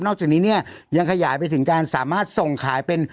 จากนี้เนี่ยยังขยายไปถึงการสามารถส่งขายเป็น